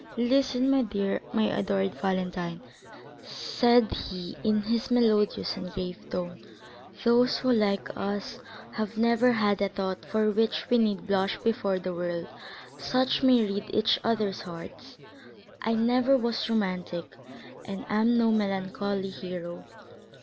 "Listen, my dear, my adored Valentine," said he in his melodious and grave tone; "those who, like us, have never had a thought for which we need blush before the world, such may read each other's hearts. I never was romantic, and am no melancholy hero.